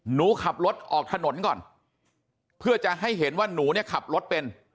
หนูขับรถออกถนนก่อนเพื่อจะให้เห็นว่าหนูเนี่ยขับรถเป็น